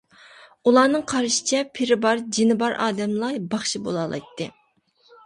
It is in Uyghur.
ئۇلارنىڭ قارىشىچە، پىرى بار، جىنى بار، ئادەملا باخشى بولالايتتى.